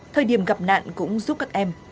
thời điểm gặp nạn cũng giúp các em